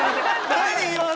何？